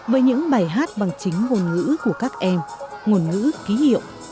với những bài hát bằng chính ngôn ngữ của các em ngôn ngữ ký hiệu